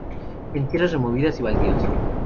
En tierras removidas y baldíos.